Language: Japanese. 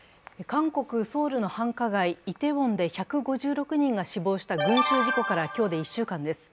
韓国ソウルの繁華街・イテウォンで１５６人が死亡した群集事故から今日で１週間です。